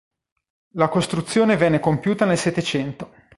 La costruzione venne compiuta nel Settecento.